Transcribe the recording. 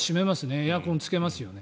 エアコンをつけますよね。